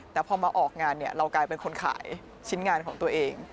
แต่พอมาออกงานเนี่ยเรากลายเป็นคนขายชิ้นงานของตัวเอง